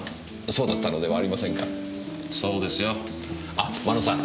あ真野さん。